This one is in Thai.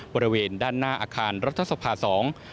บริเวณด้านหน้าอาคารรัฐสภาสอง